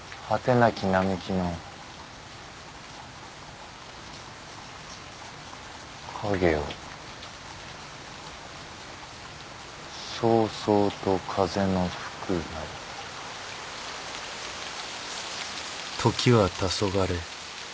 なき並樹のかげをそうそうと風のふくなり」「時はたそがれ」